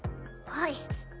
はい。